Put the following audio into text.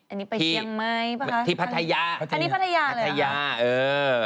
อันนี้ไปเชียงใหม่ที่พัทยาอันนี้พัทยาพัทยาเออ